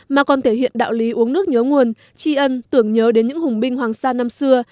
mà còn thể hiện đạo lý uống nước nhớ nguồn tri ân tưởng nhớ đến những hùng binh hoàng sa năm xưa